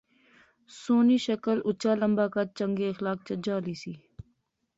سوہنی شکل، اُچا لمبا قد، چنگے اخلاق، چجا لی سی